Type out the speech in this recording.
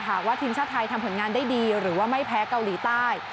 หากว่าทีมชาติไทยทำผลงานได้ดีหรือว่าไม่แพ้เกาหลีใต้